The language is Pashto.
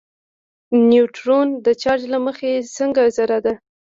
نیوټرون د چارچ له مخې څنګه ذره ده.